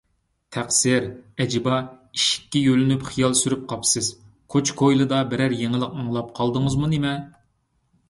تەقسىر، ئەجەبا، ئىشىككە يۆلىنىپ خىيال سۈرۈپ قاپسىز، كوچا - كويلىدا بىرەر يېڭىلىق ئاڭلاپ قالدىڭىزمۇ نېمە؟